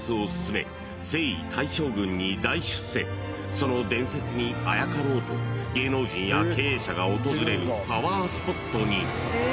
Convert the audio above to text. ［その伝説にあやかろうと芸能人や経営者が訪れるパワースポットに］